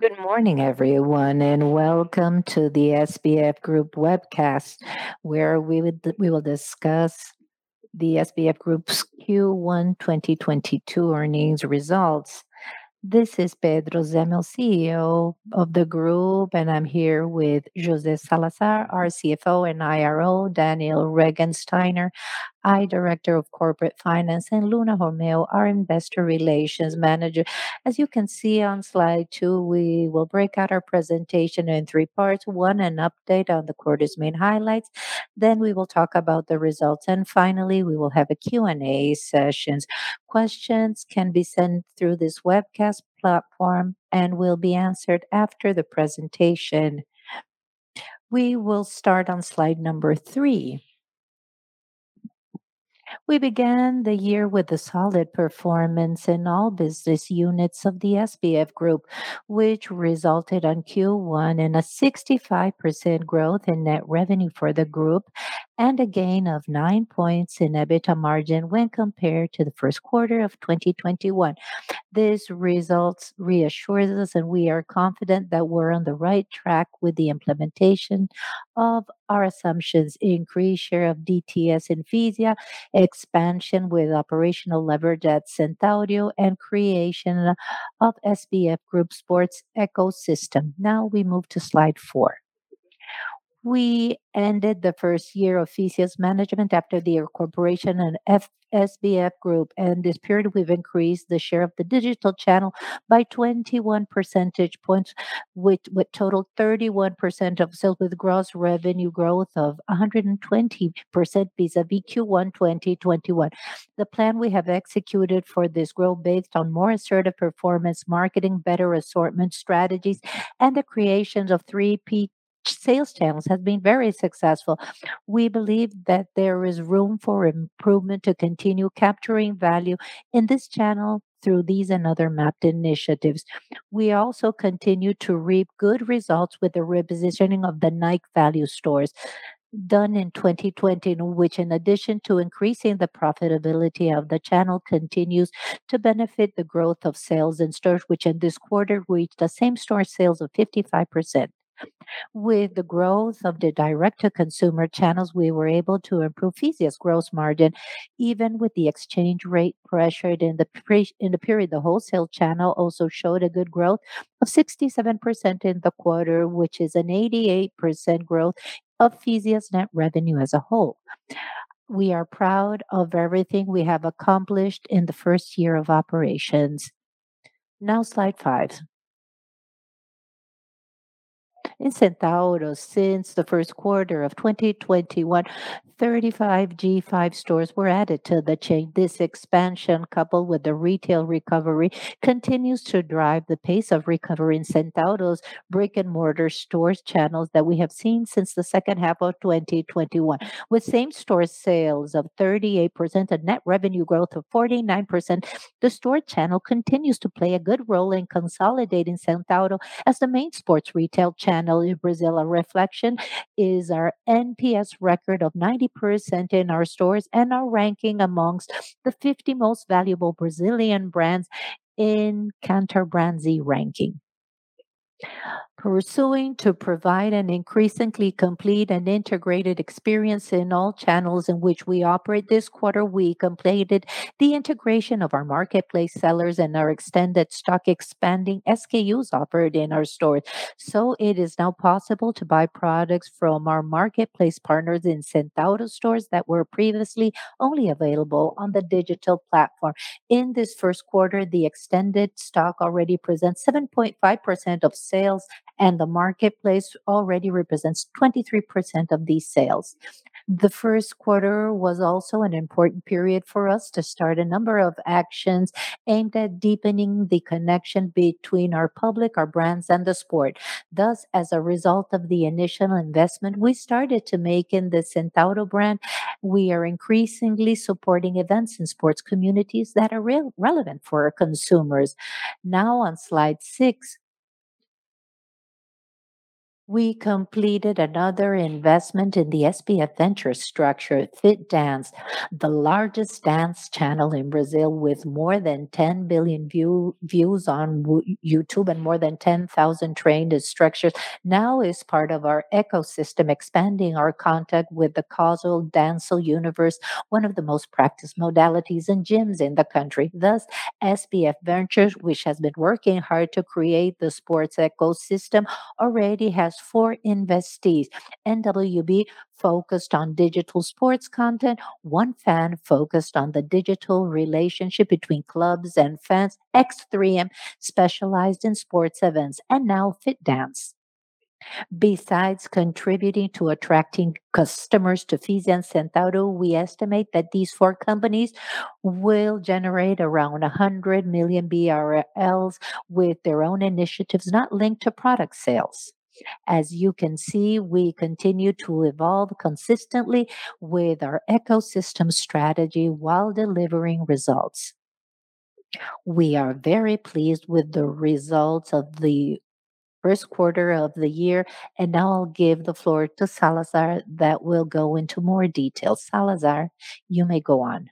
Good morning, everyone, and welcome to the SBF Group webcast where we will discuss the SBF Group's Q1 2022 earnings results. This is Pedro de Souza Zemel, CEO of the group, and I'm here with José Luís Magalhães Salazar, our CFO and IRO, Daniel Regensteiner, director of corporate finance, and Luna Romeu, our investor relations manager. As you can see on slide two, we will break out our presentation in three parts. one, an update on the quarter's main highlights, then we will talk about the results, and finally, we will have a Q&A sessions. Questions can be sent through this webcast platform and will be answered after the presentation. We will start on slide number three. We began the year with a solid performance in all business units of the SBF Group, which resulted in Q1 in a 65% growth in net revenue for the group and a gain of nine points in EBITDA margin when compared to the first quarter of 2021. These results reassures us, and we are confident that we're on the right track with the implementation of our assumptions: increased share of DTC in Fisia, expansion with operational leverage at Centauro, and creation of SBF Group sports ecosystem. Now we move to slide four. We ended the first year of Fisia's management after the acquisition by SBF Group, and this period we've increased the share of the digital channel by 21 percentage points with total 31% of sales, with gross revenue growth of 120% vis-a-vis Q1 2021. The plan we have executed for this growth based on more assertive performance marketing, better assortment strategies, and the creations of three peak sales channels has been very successful. We believe that there is room for improvement to continue capturing value in this channel through these and other mapped initiatives. We also continue to reap good results with the repositioning of the Nike Value Stores done in 2020, which in addition to increasing the profitability of the channel, continues to benefit the growth of sales in stores, which in this quarter reached the same store sales of 55%. With the growth of the direct-to-consumer channels, we were able to improve Fisia's gross margin even with the exchange rate pressured in the period. The wholesale channel also showed a good growth of 67% in the quarter, which is an 88% growth of Fisia's net revenue as a whole. We are proud of everything we have accomplished in the first year of operations. Now slide five. In Centauro, since the first quarter of 2021, 35 G5 stores were added to the chain. This expansion, coupled with the retail recovery, continues to drive the pace of recovery in Centauro's brick-and-mortar stores channels that we have seen since the second half of 2021. With same-store sales of 38% and net revenue growth of 49%, the store channel continues to play a good role in consolidating Centauro as the main sports retail channel in Brazil. A reflection is our NPS record of 90% in our stores and our ranking among the 50 most valuable Brazilian brands in Kantar BrandZ ranking. Pursuing to provide an increasingly complete and integrated experience in all channels in which we operate, this quarter we completed the integration of our marketplace sellers and our extended stock expanding SKUs offered in our stores, so it is now possible to buy products from our marketplace partners in Centauro stores that were previously only available on the digital platform. In this first quarter, the extended stock already presents 7.5% of sales, and the marketplace already represents 23% of these sales. The first quarter was also an important period for us to start a number of actions aimed at deepening the connection between our public, our brands, and the sport. Thus, as a result of the initial investment we started to make in the Centauro brand, we are increasingly supporting events in sports communities that are relevant for our consumers. Now on slide six. We completed another investment in the SBF Ventures structure. FitDance, the largest dance channel in Brazil with more than 10 billion views on YouTube and more than 10,000 trained instructors, now is part of our ecosystem, expanding our contact with the casual dance universe, one of the most practiced modalities in gyms in the country. Thus, SBF Ventures, which has been working hard to create the sports ecosystem, already has four investees. NWB focused on digital sports content, OneFan focused on the digital relationship between clubs and fans, X3M specialized in sports events, and now FitDance. Besides contributing to attracting customers to Fisia and Centauro, we estimate that these four companies will generate around 100 million BRL with their own initiatives not linked to product sales. As you can see, we continue to evolve consistently with our ecosystem strategy while delivering results. We are very pleased with the results of the first quarter of the year, and now I'll give the floor to Salazar that will go into more detail. Salazar, you may go on.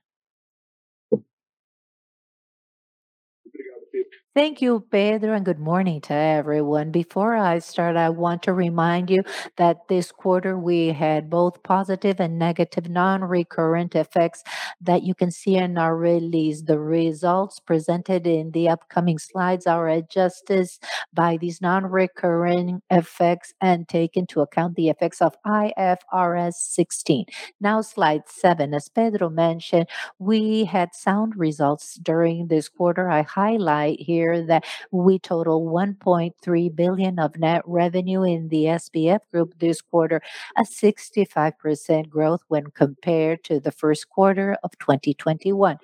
Thank you, Pedro, and good morning to everyone. Before I start, I want to remind you that this quarter we had both positive and negative non-recurrent effects that you can see in our release. The results presented in the upcoming slides are adjusted by these non-recurrent effects and take into account the effects of IFRS 16. Now slide seven. As Pedro mentioned, we had sound results during this quarter. I highlight here that we total 1.3 billion of net revenue in the SBF Group this quarter, a 65% growth when compared to the first quarter of 2021.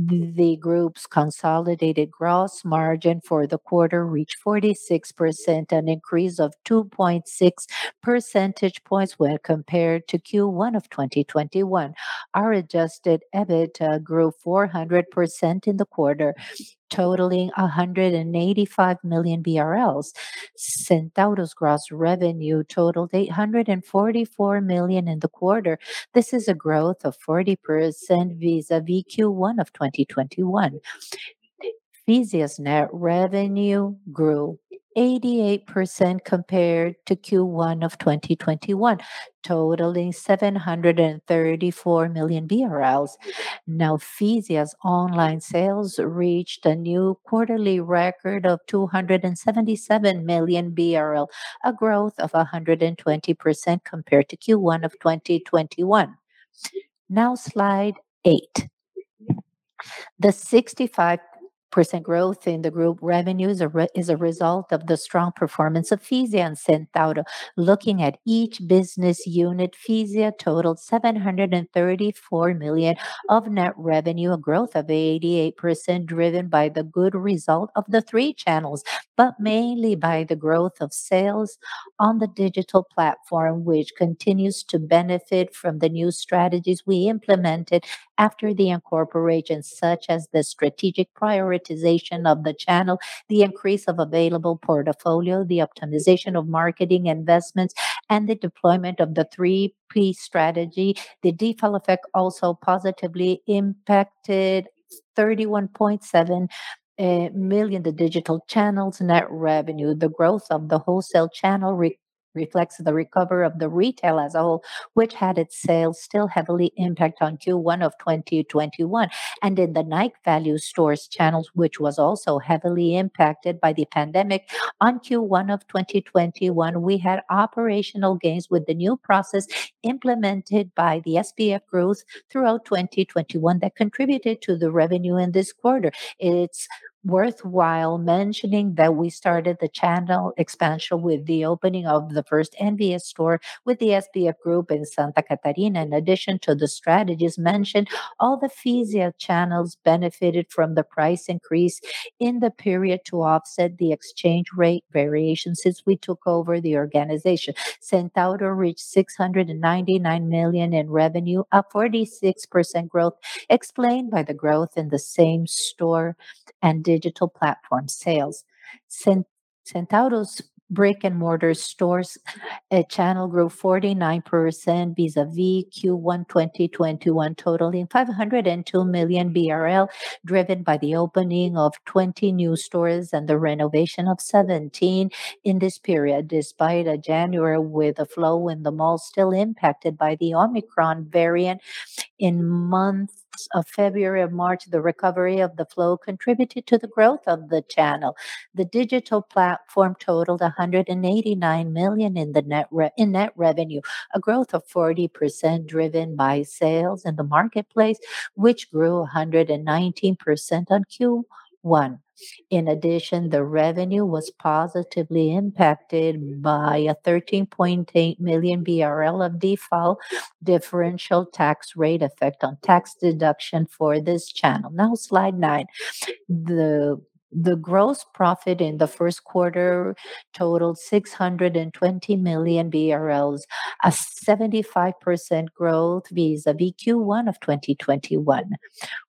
The group's consolidated gross margin for the quarter reached 46%, an increase of 2.6 percentage points when compared to Q1 of 2021. Our adjusted EBITDA grew 400% in the quarter, totaling 185 million BRL. Centauro's gross revenue totaled 844 million in the quarter. This is a growth of 40% vis-a-vis Q1 of 2021. Fisia's net revenue grew 88% compared to Q1 of 2021, totaling 734 million BRL. Now, Fisia's online sales reached a new quarterly record of 277 million BRL, a growth of 120% compared to Q1 of 2021. Now slide eight. The 65% growth in the group revenues is a result of the strong performance of Fisia and Centauro. Looking at each business unit, Fisia totaled 734 million of net revenue, a growth of 88% driven by the good result of the three channels, but mainly by the growth of sales on the digital platform, which continues to benefit from the new strategies we implemented after the incorporation, such as the strategic prioritization of the channel, the increase of available portfolio, the optimization of marketing investments, and the deployment of the 3P strategy. The DIFAL effect also positively impacted 31.7 million, the digital channel's net revenue. The growth of the wholesale channel reflects the recovery of the retail as a whole, which had its sales still heavily impacted in Q1 of 2021. In the Nike Value Stores channels, which was also heavily impacted by the pandemic, on Q1 of 2021, we had operational gains with the new process implemented by the SBF Group throughout 2021 that contributed to the revenue in this quarter. It's worthwhile mentioning that we started the channel expansion with the opening of the first NVS store with the SBF Group in Santa Catarina. In addition to the strategies mentioned, all the Fisia channels benefited from the price increase in the period to offset the exchange rate variation since we took over the organization. Centauro reached 699 million in revenue, a 46% growth explained by the growth in the same store and digital platform sales. Centauro's brick-and-mortar stores channel grew 49% vis-à-vis Q1 2021, totaling 502 million BRL, driven by the opening of 20 new stores and the renovation of 17 in this period. Despite a January with a flow in the mall still impacted by the Omicron variant, in months of February and March, the recovery of the flow contributed to the growth of the channel. The digital platform totaled 189 million in net revenue, a growth of 40% driven by sales in the marketplace, which grew 119% on Q1. In addition, the revenue was positively impacted by 13.8 million BRL of DIFAL differential tax rate effect on tax deduction for this channel. Now slide nine. The gross profit in the first quarter totaled 620 million BRL, a 75% growth vis-a-vis Q1 of 2021.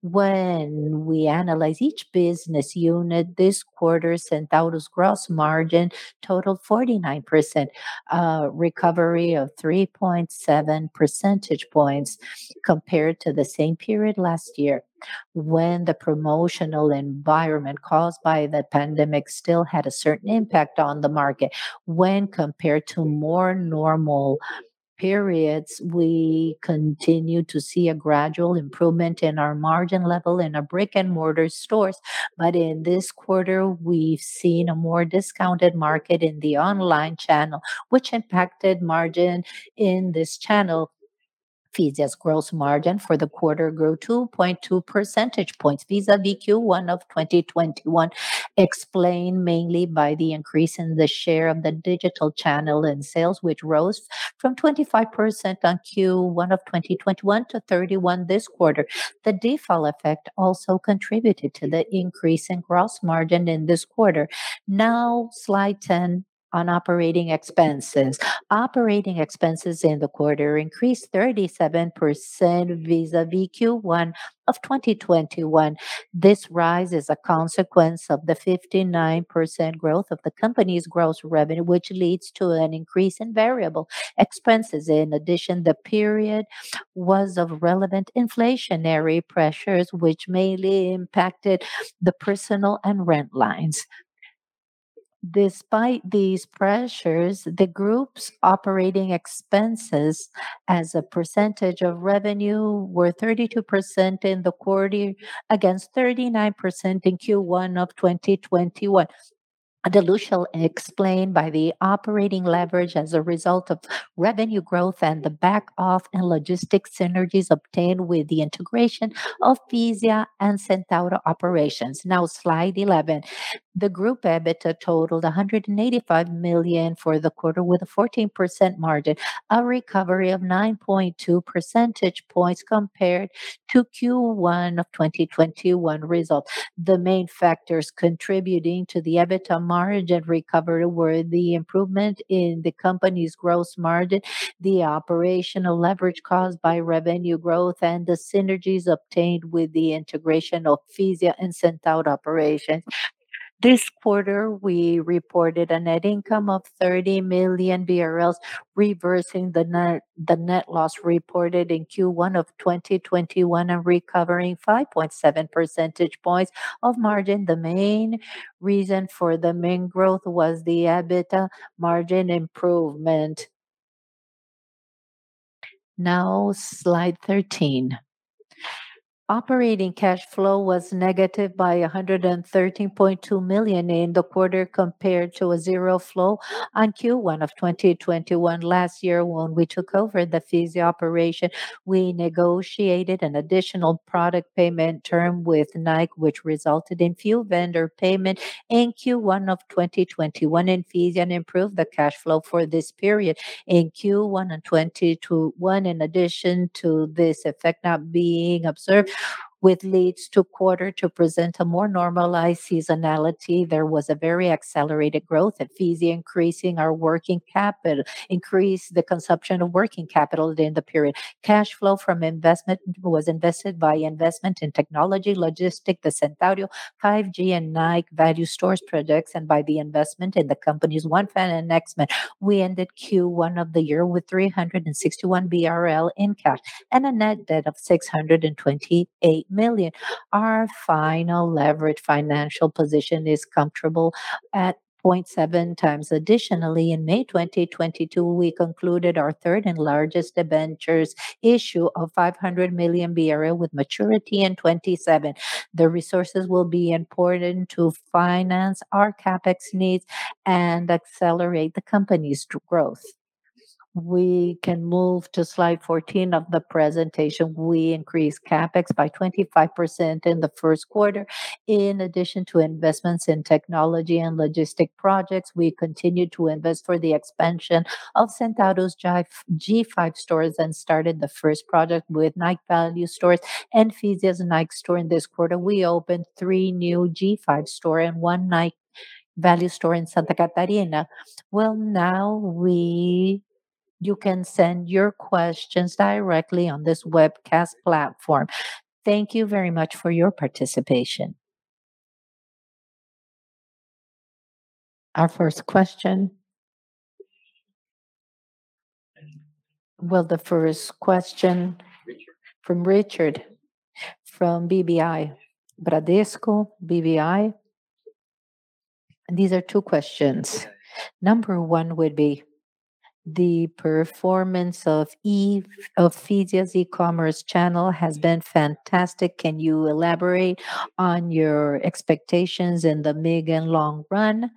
When we analyze each business unit this quarter, Centauro's gross margin totaled 49%, recovery of 3.7 percentage points compared to the same period last year when the promotional environment caused by the pandemic still had a certain impact on the market. When compared to more normal periods, we continue to see a gradual improvement in our margin level in our brick-and-mortar stores. In this quarter, we've seen a more discounted market in the online channel, which impacted margin in this channel. SBF's gross margin for the quarter grew 2.2 percentage points vis-à-vis Q1 of 2021, explained mainly by the increase in the share of the digital channel in sales, which rose from 25% in Q1 of 2021 to 31% this quarter. The default effect also contributed to the increase in gross margin in this quarter. Now slide 10 on operating expenses. Operating expenses in the quarter increased 37% vis-à-vis Q1 of 2021. This rise is a consequence of the 59% growth of the company's gross revenue, which leads to an increase in variable expenses. In addition, the period was of relevant inflationary pressures which mainly impacted the personal and rent lines. Despite these pressures, the group's operating expenses as a percentage of revenue were 32% in the quarter against 39% in Q1 of 2021. The dilution explained by the operating leverage as a result of revenue growth and the back-office and logistics synergies obtained with the integration of Fisia and Centauro operations. Now slide 11. The group EBITDA totaled 185 million for the quarter with a 14% margin, a recovery of 9.2 percentage points compared to Q1 of 2021 results. The main factors contributing to the EBITDA margin recovery were the improvement in the company's gross margin, the operational leverage caused by revenue growth, and the synergies obtained with the integration of Fisia and Centauro operations. This quarter, we reported a net income of 30 million BRL, reversing the net loss reported in Q1 of 2021 and recovering 5.7 percentage points of margin. The main reason for the margin growth was the EBITDA margin improvement. Now slide 13. Operating cash flow was negative 113.2 million in the quarter compared to zero flow in Q1 2021. Last year when we took over the Fisia operation, we negotiated an additional product payment term with Nike, which resulted in few vendor payments in Q1 2021, and Fisia improved the cash flow for this period. In Q1 2022, in addition to this effect not being observed, which led the quarter to present a more normalized seasonality, there was very accelerated growth at Fisia, which increased the consumption of working capital during the period. Cash flow from investing was negative by investments in technology, logistics, the Centauro G5 and Nike Value Stores projects, and by the investment in the company's OneFan investment. We ended Q1 of the year with 361 BRL in cash and a net debt of 628 million. Our final leverage financial position is comfortable at 0.7x. Additionally, in May 2022, we concluded our third and largest debentures issue of 500 million BRL with maturity in 2027. The resources will be important to finance our CapEx needs and accelerate the company's growth. We can move to slide 14 of the presentation. We increased CapEx by 25% in the first quarter. In addition to investments in technology and logistic projects, we continued to invest for the expansion of Centauro's G5 stores and started the first project with Nike Value Stores and Fisia's Nike Store in this quarter. We opened three new G5 store and one Nike Value Store in Santa Catarina. Well, now we. You can send your questions directly on this webcast platform. Thank you very much for your participation. Our first question. Richard... from Richard, from BBI, Bradesco BBI. These are two questions. Number one would be the performance of Fisia's e-commerce channel has been fantastic. Can you elaborate on your expectations in the mid and long run?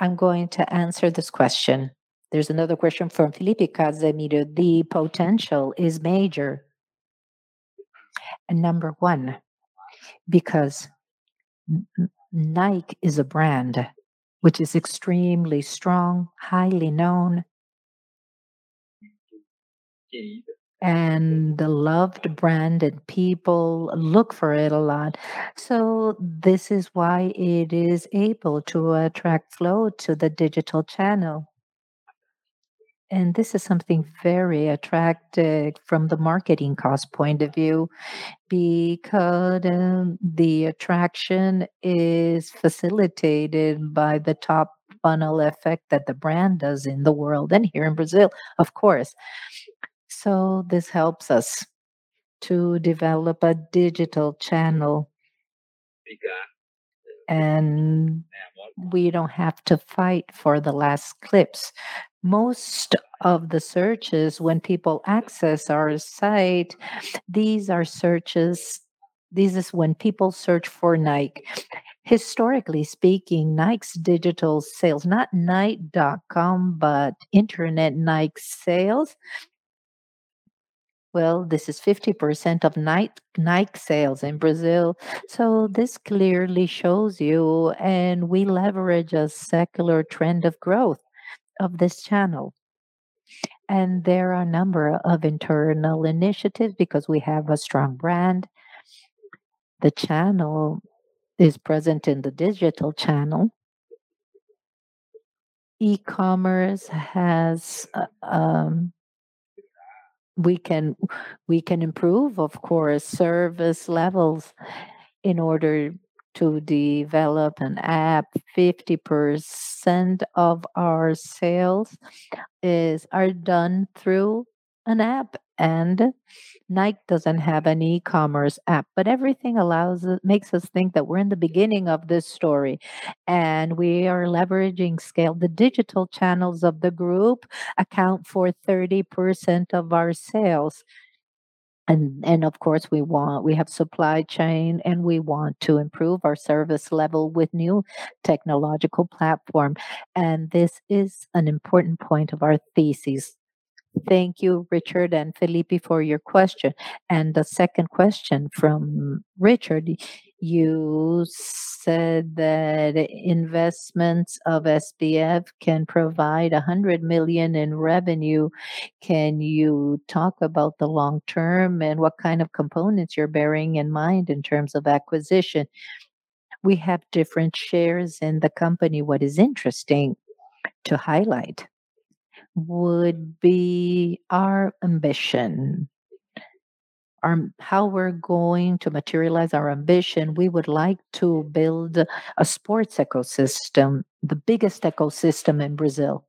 I'm going to answer this question. There's another question from Felipe Casimiro. The potential is major. Number one, because Nike is a brand which is extremely strong, highly known. A loved brand, and people look for it a lot. This is why it is able to attract flow to the digital channel. This is something very attractive from the marketing cost point of view because the attraction is facilitated by the top funnel effect that the brand does in the world and here in Brazil, of course. This helps us to develop a digital channel. We don't have to fight for the last clicks. Most of the searches when people access our site. This is when people search for Nike. Historically speaking, Nike's digital sales, not nike.com, but internet Nike sales, well, this is 50% of Nike sales in Brazil. This clearly shows you, and we leverage a secular trend of growth of this channel. There are a number of internal initiatives because we have a strong brand. The channel is present in the digital channel. E-commerce has. We can improve, of course, service levels in order to develop an app. 50% of our sales are done through an app, and Nike doesn't have an e-commerce app. But everything makes us think that we're in the beginning of this story, and we are leveraging scale. The digital channels of the group account for 30% of our sales. Of course, we want. We have supply chain, and we want to improve our service level with new technological platform, and this is an important point of our thesis. Thank you, Richard and Felipe, for your question. The second question from Richard, you said that investments of SBF can provide 100 million in revenue. Can you talk about the long term and what kind of components you're bearing in mind in terms of acquisition? We have different shares in the company. What is interesting to highlight would be our ambition, our how we're going to materialize our ambition. We would like to build a sports ecosystem, the biggest ecosystem in Brazil.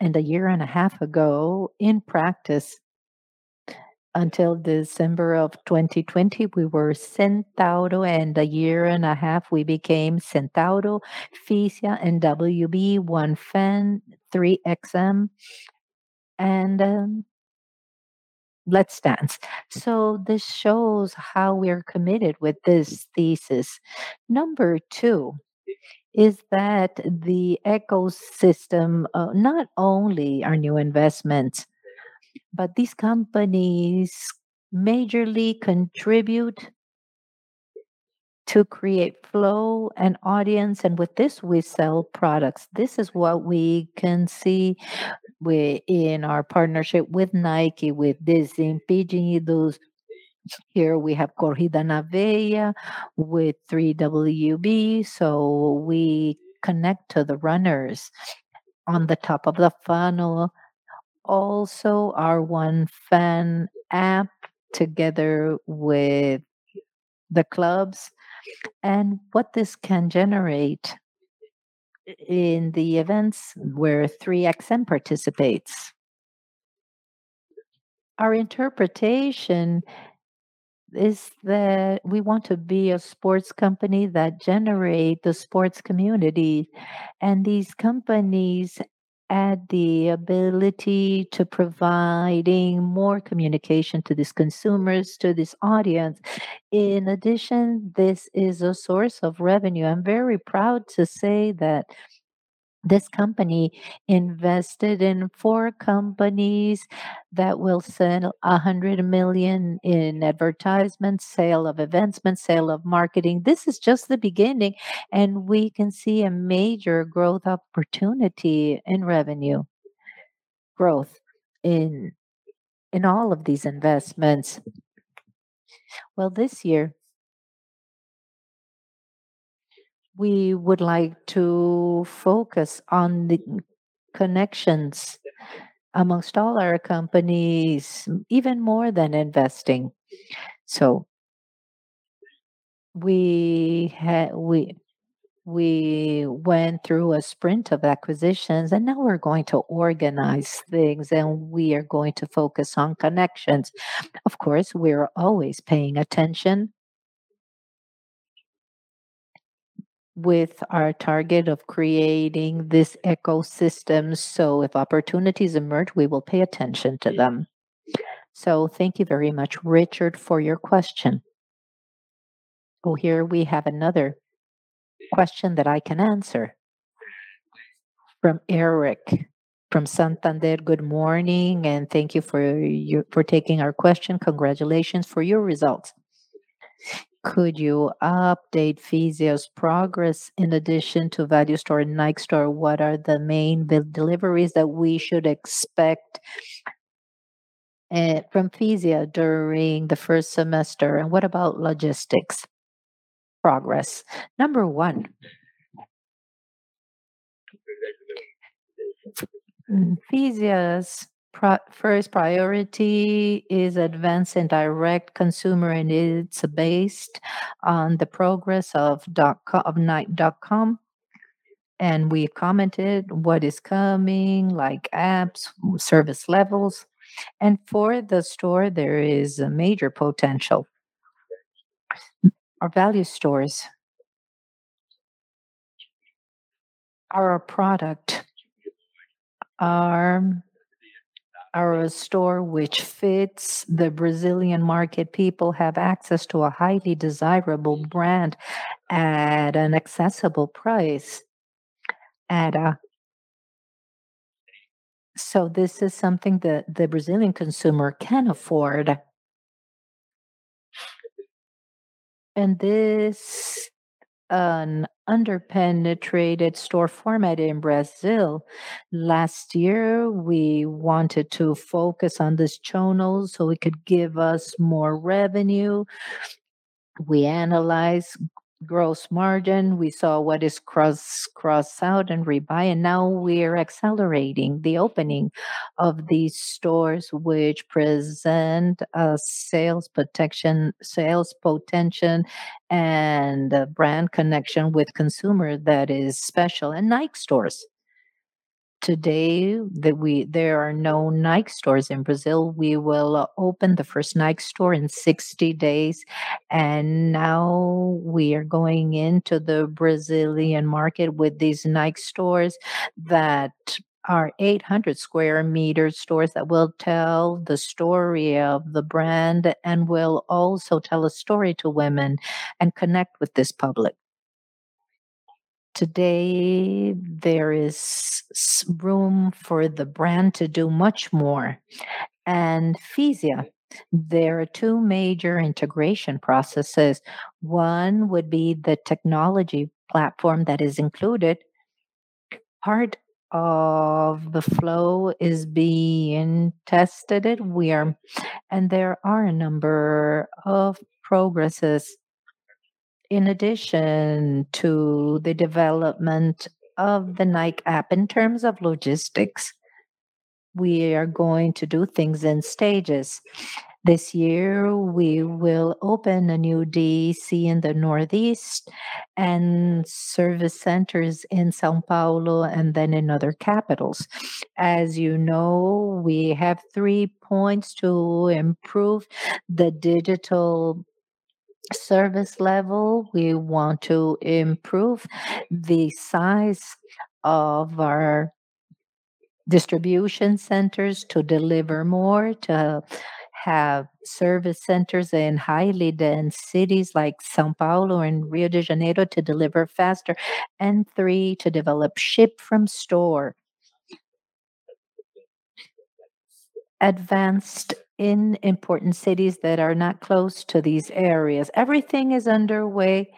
A year and a half ago, in practice, until December of 2020, we were Centauro. A year and a half, we became Centauro, Fisia, and NWB, OneFan, X3M, and FitDance. This shows how we're committed with this thesis. Number two is that the ecosystem, not only our new investments, but these companies majorly contribute to create flow and audience, and with this we sell products. This is what we can see in our partnership with Nike, with Disney, P&G, those. Here we have Corrida da Vale with NWB, so we connect to the runners on the top of the funnel. Also, our OneFan app together with the clubs and what this can generate in the events where X3M participates. Our interpretation is that we want to be a sports company that generate the sports community, and these companies add the ability to providing more communication to these consumers, to this audience. In addition, this is a source of revenue. I'm very proud to say that this company invested in four companies that will sell 100 million in advertisement, sale of events, and sale of marketing. This is just the beginning, and we can see a major growth opportunity in revenue growth in all of these investments. Well, this year we would like to focus on the connections amongst all our companies even more than investing. We went through a sprint of acquisitions, and now we're going to organize things, and we are going to focus on connections. Of course, we're always paying attention to our target of creating this ecosystem. If opportunities emerge, we will pay attention to them. Thank you very much, Richard, for your question. Oh, here we have another question that I can answer from Eric from Santander. Good morning, and thank you for taking our question. Congratulations for your results. Could you update Fisia's progress in addition to value store and Nike store? What are the main deliveries that we should expect from Fisia during the first semester? What about logistics progress? Number one, Fisia's first priority is advance in direct consumer, and it's based on the progress of nike.com. We commented what is coming, like apps, service levels. For the store, there is a major potential. Our value stores are a product, a store which fits the Brazilian market. People have access to a highly desirable brand at an accessible price. This is something that the Brazilian consumer can afford. This is an under-penetrated store format in Brazil. Last year, we wanted to focus on this channel so it could give us more revenue. We analyzed gross margin. We saw what is cross out and rebuy, and now we're accelerating the opening of these stores which present a sales potential and a brand connection with consumer that is special in Nike stores. Today, there are no Nike stores in Brazil. We will open the first Nike store in 60 days, and now we are going into the Brazilian market with these Nike stores that are 800 square-meter stores that will tell the story of the brand and will also tell a story to women and connect with this public. Today, there is room for the brand to do much more. Fisia, there are two major integration processes. One would be the technology platform that is included. Part of the flow is being tested and there are a number of progress in addition to the development of the Nike app in terms of logistics. We are going to do things in stages. This year, we will open a new DC in the Northeast and service centers in São Paulo and then in other capitals. As you know, we have three points to improve the digital service level. We want to improve the size of our distribution centers to deliver more, to have service centers in highly dense cities like São Paulo and Rio de Janeiro to deliver faster, and three, to develop ship from store and advance in important cities that are not close to these areas. Everything is underway,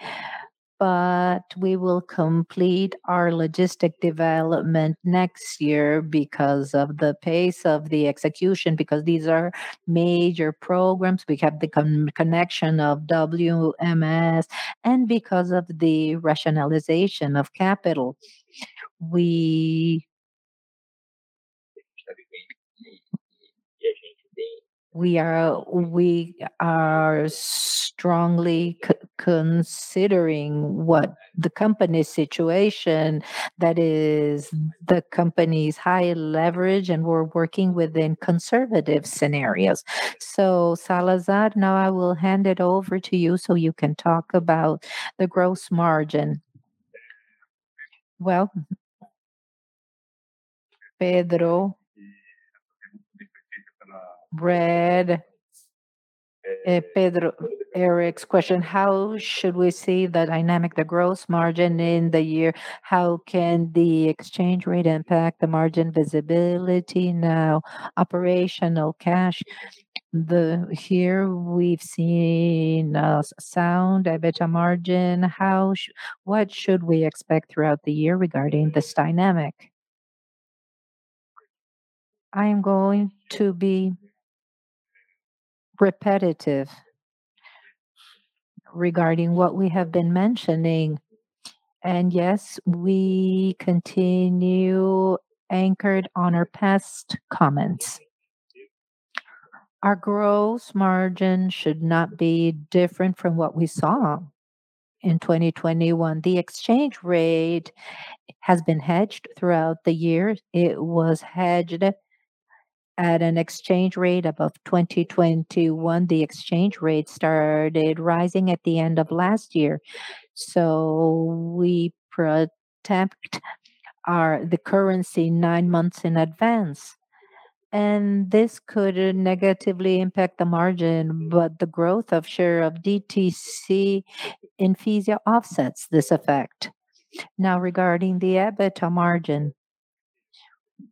but we will complete our logistics development next year because of the pace of the execution, because these are major programs. We have the connection of WMS and because of the rationalization of capital. We are strongly considering the company's situation, that is the company's high leverage, and we're working within conservative scenarios. Salazar, now I will hand it over to you so you can talk about the gross margin. Well, Pedro, Eric's question, how should we see the dynamic, the gross margin in the year? How can the exchange rate impact the margin visibility now, operational cash? Here we've seen a sound EBITDA margin. What should we expect throughout the year regarding this dynamic? I am going to be repetitive regarding what we have been mentioning. Yes, we continue anchored on our past comments. Our gross margin should not be different from what we saw in 2021. The exchange rate has been hedged throughout the year. It was hedged at an exchange rate above 2021. The exchange rate started rising at the end of last year. We preempt the currency nine months in advance. This could negatively impact the margin, but the growth of share of DTC in Fisia offsets this effect. Now regarding the EBITDA margin,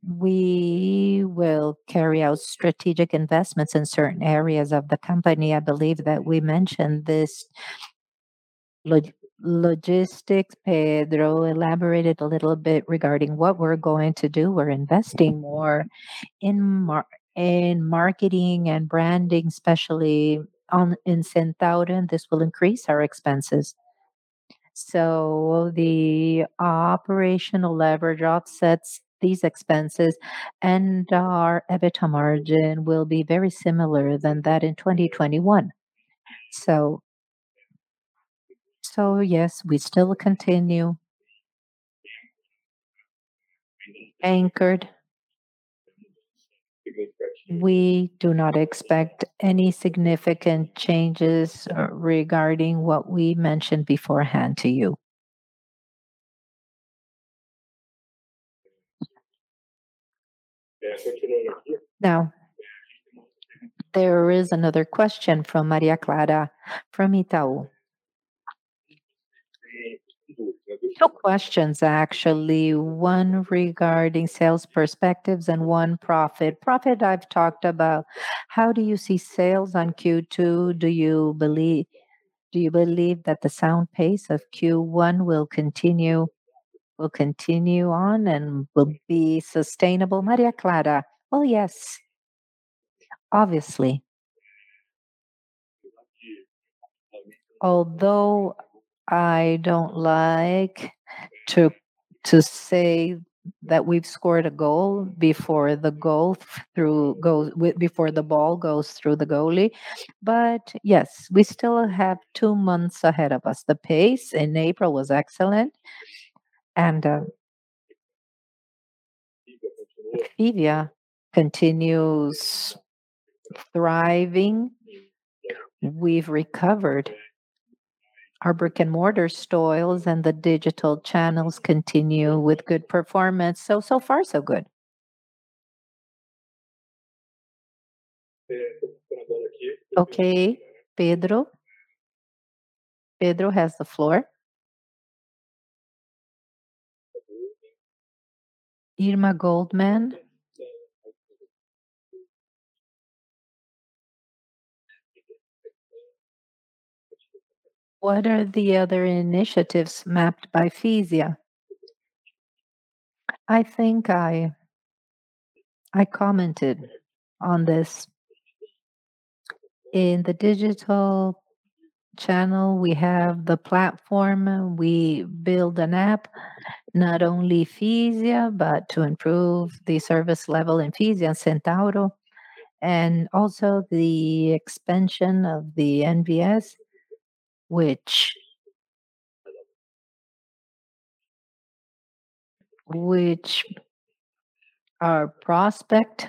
we will carry out strategic investments in certain areas of the company. I believe that we mentioned this logistics. Pedro elaborated a little bit regarding what we're going to do. We're investing more in marketing and branding, especially in Centauro, and this will increase our expenses. The operational leverage offsets these expenses, and our EBITDA margin will be very similar than that in 2021. Yes, we still continue anchored. We do not expect any significant changes regarding what we mentioned beforehand to you. Now, there is another question from Maria Clara from Itaú. Two questions actually, one regarding sales perspectives and one profit. Profit I've talked about. How do you see sales on Q2? Do you believe that the sound pace of Q1 will continue on and will be sustainable? Maria Clara. Well, yes. Obviously. Although I don't like to say that we've scored a goal before the ball goes through the goalie. But yes, we still have two months ahead of us. The pace in April was excellent and, Fisia continues thriving. We've recovered our brick-and-mortar stores, and the digital channels continue with good performance. So far so good. Okay, Pedro. Pedro has the floor. Irma, Goldman. What are the other initiatives mapped by Fisia? I think I commented on this. In the digital channel, we have the platform. We build an app, not only Fisia, but to improve the service level in Fisia, Centauro, and also the expansion of the NVS, which are prospects.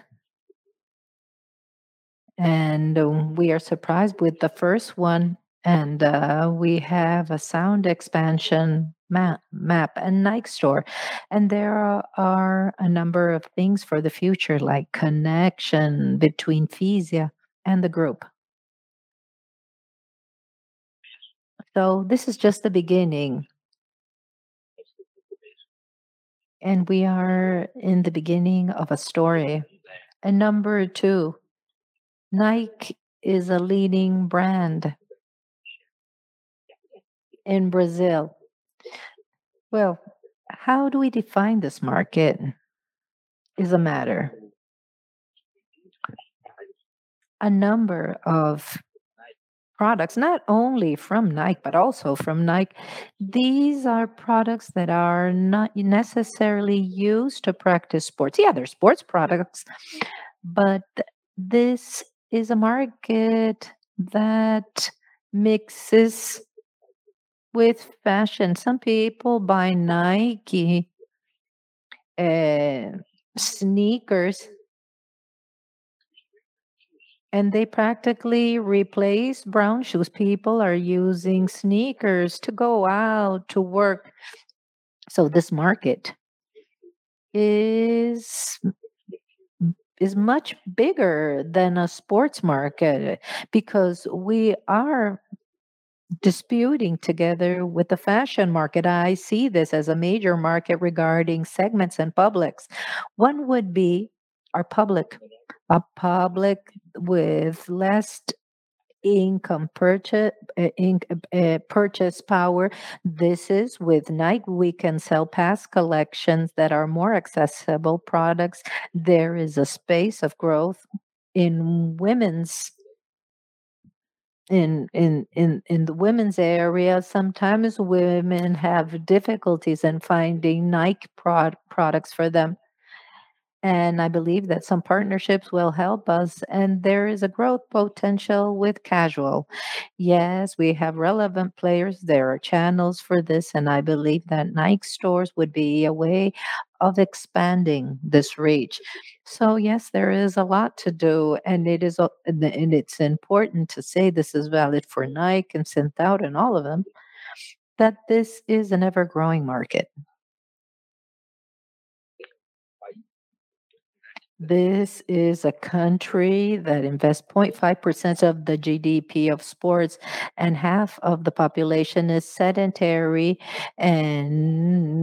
We are surprised with the first one, we have a sound expansion map and Nike Store. There are a number of things for the future, like connection between Fisia and the group. This is just the beginning, and we are in the beginning of a story. Number two, Nike is a leading brand in Brazil. Well, how do we define this market is a matter. A number of products, not only from Nike, but also from Nike. These are products that are not necessarily used to practice sports. Yeah, they're sports products, but this is a market that mixes with fashion. Some people buy Nike sneakers, and they practically replace brown shoes. People are using sneakers to go out to work. This market is much bigger than a sports market because we are disputing together with the fashion market. I see this as a major market regarding segments and publics. One would be our public. A public with less purchasing power. With Nike, we can sell past collections that are more accessible products. There is a space of growth in the women's area. Sometimes women have difficulties in finding Nike products for them. I believe that some partnerships will help us, and there is a growth potential with casual. Yes, we have relevant players. There are channels for this, and I believe that Nike stores would be a way of expanding this reach. Yes, there is a lot to do, and it is, and it's important to say this is valid for Nike and Centauro and all of them, that this is an ever-growing market. This is a country that invests 0.5% of the GDP in sports, and half of the population is sedentary. The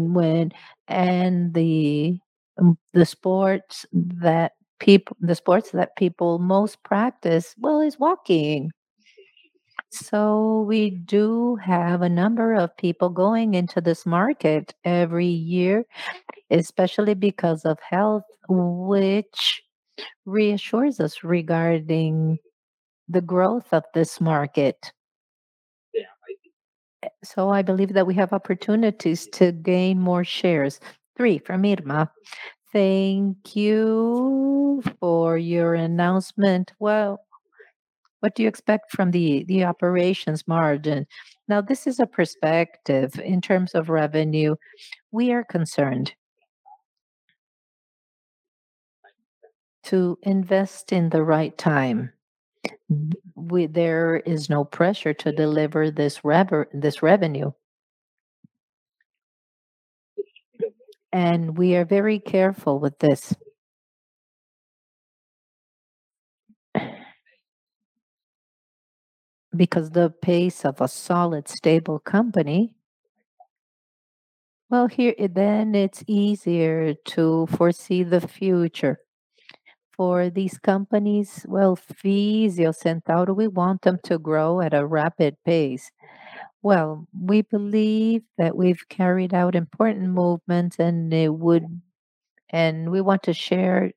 sports that people most practice, well, is walking. We do have a number of people going into this market every year, especially because of health, which reassures us regarding the growth of this market. I believe that we have opportunities to gain more shares. Three from Irma. Thank you for your announcement. Well, what do you expect from the operations margin? This is a perspective in terms of revenue. We are concerned to invest in the right time. There is no pressure to deliver this revenue. We are very careful with this. Because the pace of a solid, stable company. Well, here, it's easier to foresee the future. For these companies, well, Fisia or Centauro, we want them to grow at a rapid pace. Well, we believe that we've carried out important movements. We want to share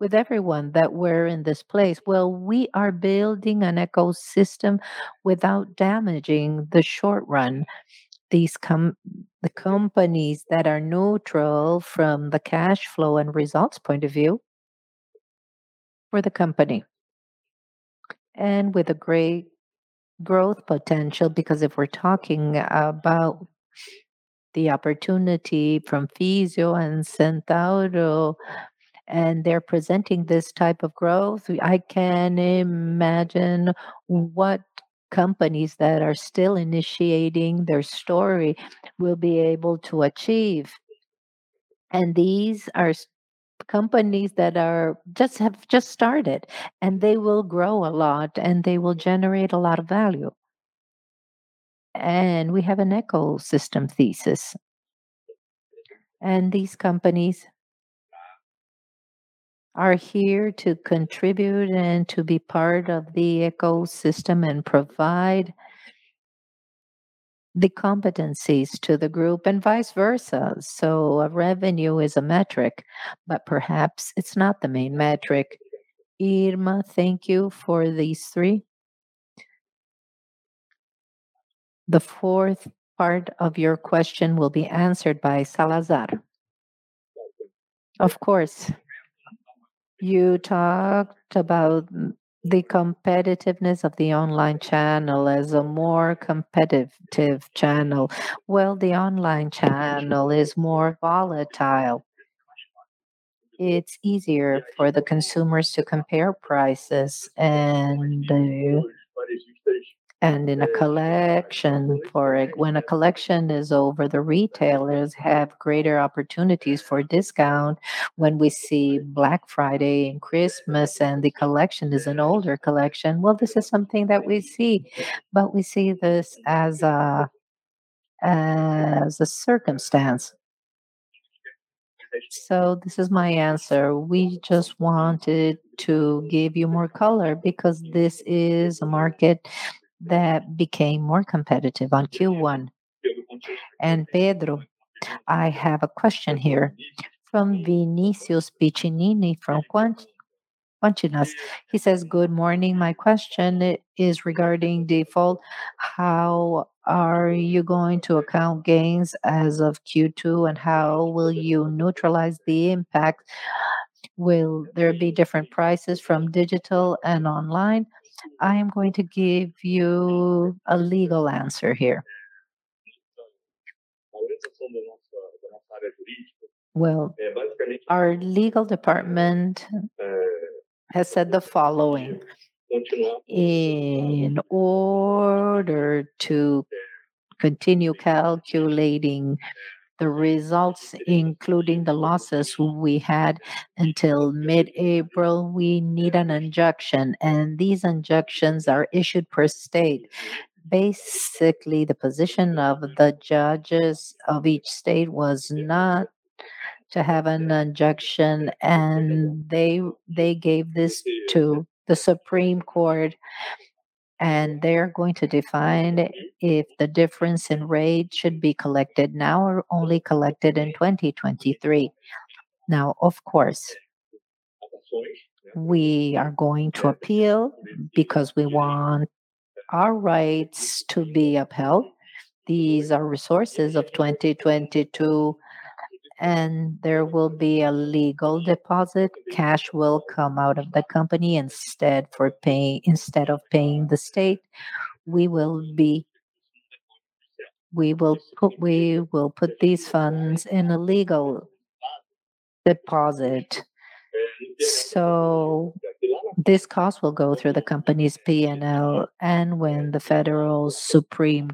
with everyone that we're in this place. Well, we are building an ecosystem without damaging the short run. The companies that are neutral from the cash flow and results point of view for the company. With a great growth potential, because if we're talking about the opportunity from Fisia and Centauro, and they're presenting this type of growth, I can imagine what companies that are still initiating their story will be able to achieve. These are companies that have just started, and they will grow a lot, and they will generate a lot of value. We have an ecosystem thesis. These companies are here to contribute and to be part of the ecosystem and provide the competencies to the group and vice versa. Revenue is a metric, but perhaps it's not the main metric. Irma, thank you for these three. The fourth part of your question will be answered by Salazar. Of course. You talked about the competitiveness of the online channel as a more competitive channel. Well, the online channel is more volatile. It's easier for the consumers to compare prices and in a collection. When a collection is over, the retailers have greater opportunities for discount. When we see Black Friday and Christmas and the collection is an older collection, well, this is something that we see. We see this as a circumstance. This is my answer. We just wanted to give you more color because this is a market that became more competitive on Q1. Pedro, I have a question here from Vinicius Piccinini from Quantitas. He says, "Good morning. My question is regarding default. How are you going to account gains as of Q2, and how will you neutralize the impact? Will there be different prices from digital and online?" I am going to give you a legal answer here. Well, our legal department has said the following. In order to continue calculating the results, including the losses we had until mid-April, we need an injunction, and these injunctions are issued per state. Basically, the position of the judges of each state was not to have an injunction, and they gave this to the Supreme Court, and they're going to define if the difference in rate should be collected now or only collected in 2023. Now, of course, we are going to appeal because we want our rights to be upheld. These are resources of 2022, and there will be a legal deposit. Cash will come out of the company. Instead of paying the state, we will put these funds in a legal deposit. So this cost will go through the company's P&L. When the Federal Supreme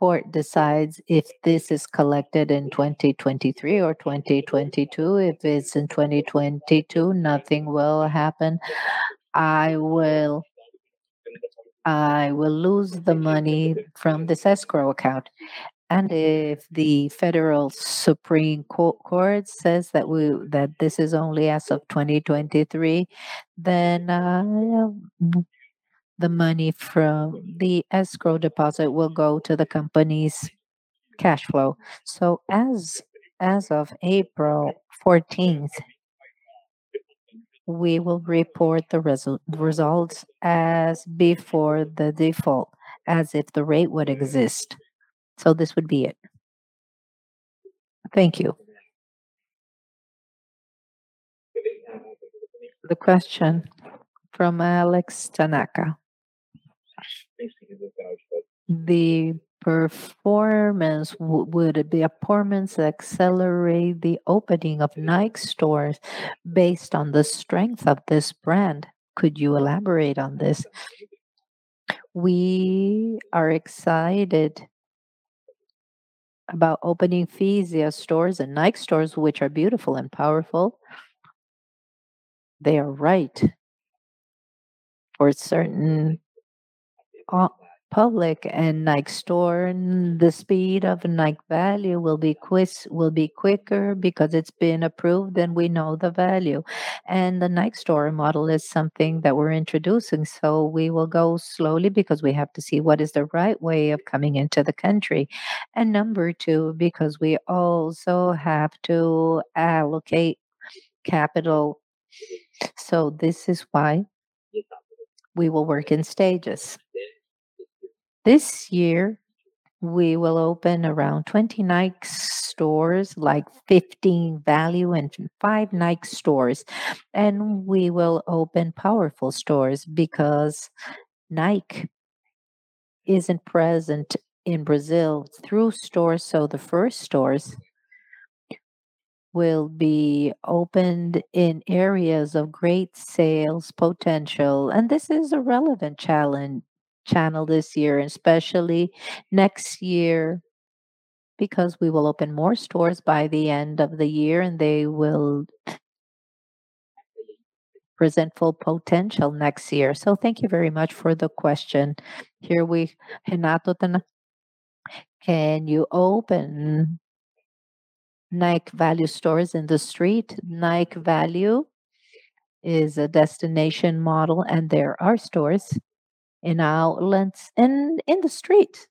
Court decides if this is collected in 2023 or 2022, if it's in 2022, nothing will happen. I will lose the money from this escrow account. If the Federal Supreme Court says that this is only as of 2023, then the money from the escrow deposit will go to the company's cash flow. As of April fourteenth, we will report the results as before the default, as if the rate would exist. This would be it. Thank you. The question from Alex Tanaka. Would the performance accelerate the opening of Nike stores based on the strength of this brand? Could you elaborate on this? We are excited about opening Fisia stores and Nike stores, which are beautiful and powerful. They are right for a certain public. Nike Store and the speed of Nike Value will be quicker because it's been approved, and we know the value. The Nike store model is something that we're introducing, so we will go slowly because we have to see what is the right way of coming into the country. Number two, because we also have to allocate capital. This is why we will work in stages. This year, we will open around 20 Nike stores, like 15 Value and five Nike stores, and we will open powerful stores because Nike isn't present in Brazil through stores. The first stores will be opened in areas of great sales potential, and this is a relevant channel this year, especially next year, because we will open more stores by the end of the year, and they will present full potential next year. Thank you very much for the question. Here we Renato Salser, then. Can you open Nike Value stores in the street? Nike Value is a destination model, and there are stores in outlets in the street.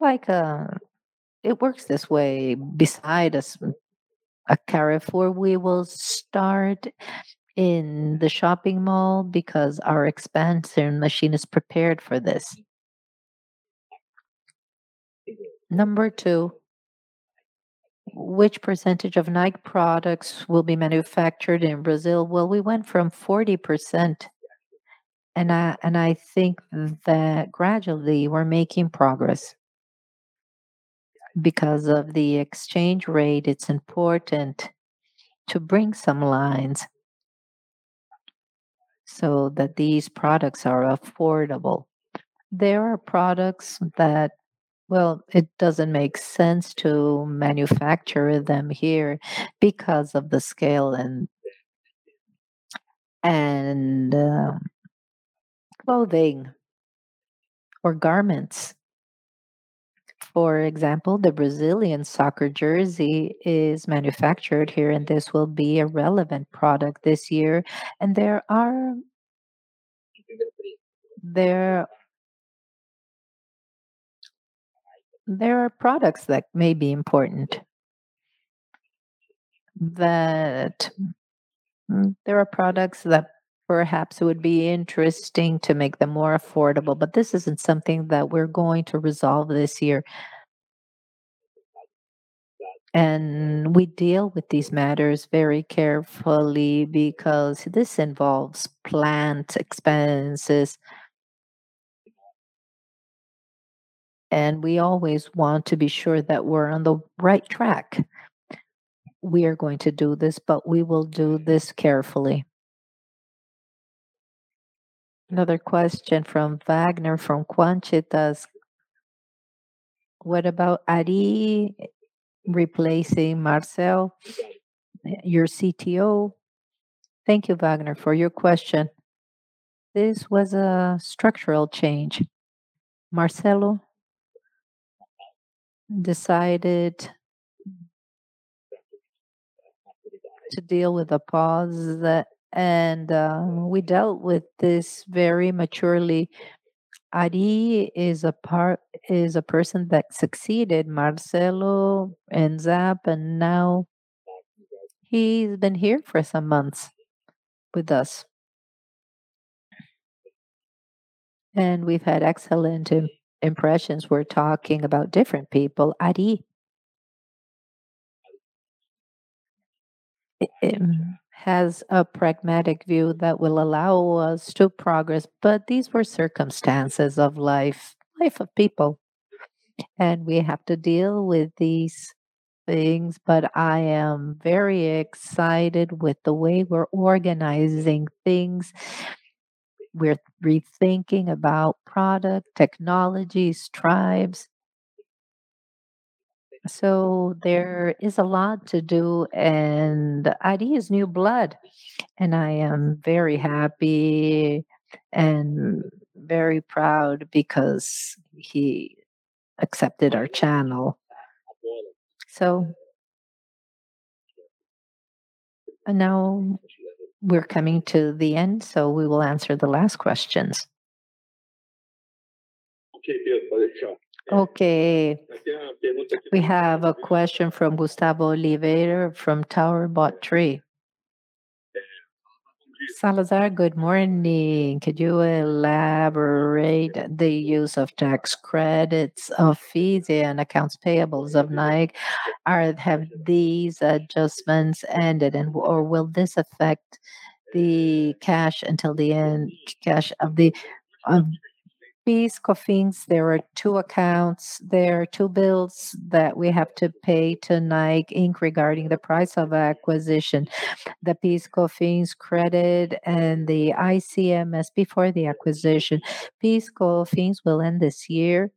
Like, it works this way. Beside a Carrefour, we will start in the shopping mall because our expansion machine is prepared for this. Number two, which percentage of Nike products will be manufactured in Brazil? Well, we went from 40%, and I think that gradually we're making progress. Because of the exchange rate, it's important to bring some lines so that these products are affordable. There are products that. Well, it doesn't make sense to manufacture them here because of the scale and clothing or garments. For example, the Brazilian soccer jersey is manufactured here, and this will be a relevant product this year. There are products that may be important that perhaps it would be interesting to make them more affordable, but this isn't something that we're going to resolve this year. We deal with these matters very carefully because this involves plant expenses, and we always want to be sure that we're on the right track. We are going to do this, but we will do this carefully. Another question from Wagner Salaverry, from Quantitas. What about Ari replacing Marcelo, your CTO? Thank you, Wagner, for your question. This was a structural change. Marcelo decided to deal with a pause. We dealt with this very maturely. Ari is a person that succeeded Marcelo and Zap, and now he's been here for some months with us. We've had excellent impressions. We're talking about different people. Ari has a pragmatic view that will allow us to progress, but these were circumstances of life of people, and we have to deal with these things. I am very excited with the way we're organizing things. We're rethinking about product, technologies, tribes. There is a lot to do, and Ari is new blood, and I am very happy and very proud because he accepted our channel. Now we're coming to the end, so we will answer the last questions. Okay, good. Okay. We have a question from Gustavo Oliveira from Toro Investimentos. "Salazar, good morning. Could you elaborate on the use of tax credits of Fisia and accounts payables of Nike? Have these adjustments ended or will this affect the cash until the end?" PIS/COFINS, there are two accounts. There are two bills that we have to pay to Nike, Inc. regarding the price of acquisition. The PIS/COFINS credit and the ICMS before the acquisition. PIS/COFINS will end this year,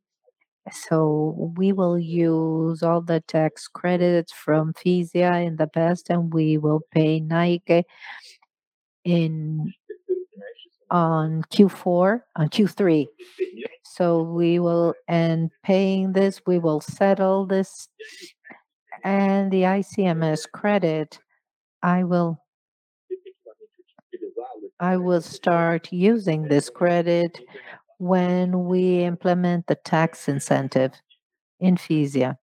so we will use all the tax credits from Fisia in the past, and we will pay Nike on Q3. We will end paying this. We will settle this. The ICMS credit, I will start using this credit when we implement the tax incentive in Fisia.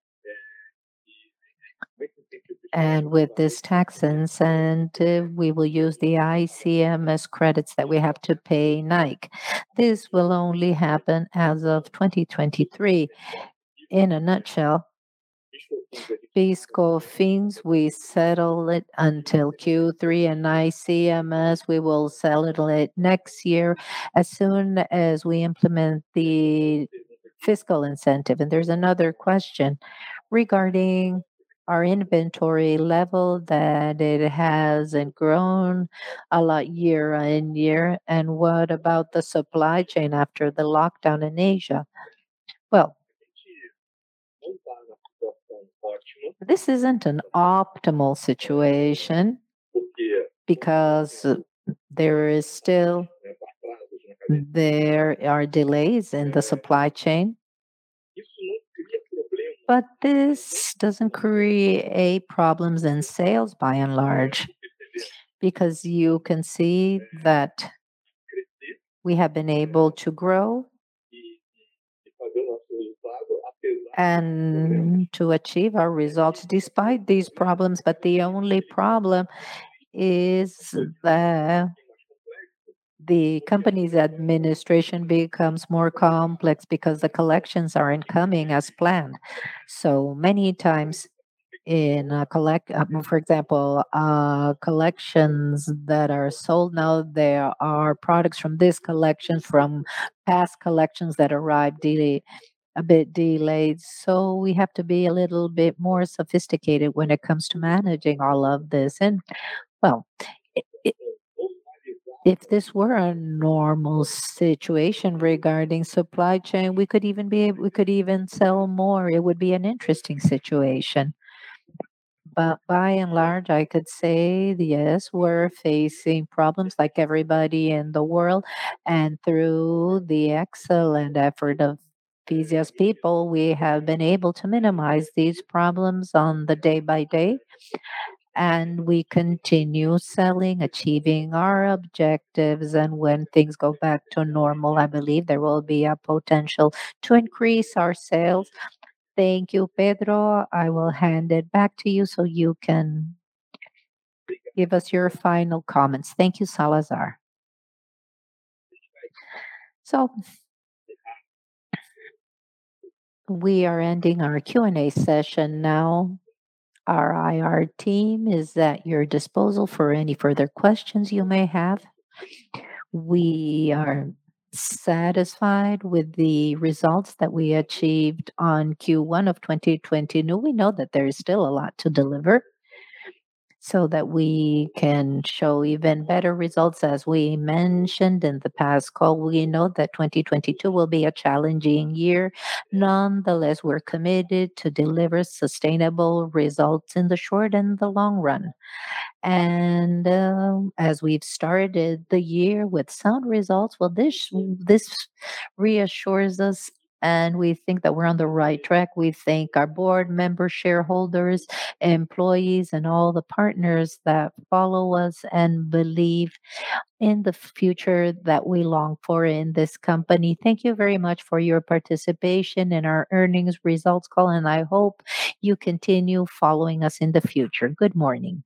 And with this tax incentive, we will use the ICMS credits that we have to pay Nike. This will only happen as of 2023. In a nutshell, fiscal themes, we settle it until Q3, and ICMS we will settle it next year as soon as we implement the fiscal incentive. There's another question regarding our inventory level that it hasn't grown a lot year-over-year, and what about the supply chain after the lockdown in Asia? Well, this isn't an optimal situation because there are delays in the supply chain. This doesn't create problems in sales by and large, because you can see that we have been able to grow and to achieve our results despite these problems. The only problem is the company's administration becomes more complex because the collections aren't coming as planned. Many times, for example, collections that are sold now, there are products from this collection, from past collections that arrive a bit delayed. We have to be a little bit more sophisticated when it comes to managing all of this. Well, if this were a normal situation regarding supply chain, we could even sell more. It would be an interesting situation. By and large, I could say that, yes, we're facing problems like everybody in the world, and through the excellent effort of CHS people, we have been able to minimize these problems day by day. We continue selling, achieving our objectives, and when things go back to normal, I believe there will be a potential to increase our sales. Thank you, Pedro. I will hand it back to you so you can give us your final comments. Thank you, Salazar. We are ending our Q&A session now. Our IR team is at your disposal for any further questions you may have. We are satisfied with the results that we achieved on Q1 of 2020. Now we know that there is still a lot to deliver so that we can show even better results. As we mentioned in the past call, we know that 2022 will be a challenging year. Nonetheless, we're committed to deliver sustainable results in the short and the long run. As we've started the year with sound results, this reassures us and we think that we're on the right track. We thank our board members, shareholders, employees, and all the partners that follow us and believe in the future that we long for in this company. Thank you very much for your participation in our earnings results call, and I hope you continue following us in the future. Good morning.